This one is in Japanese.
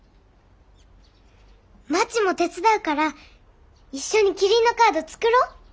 まちも手伝うから一緒にキリンのカード作ろう。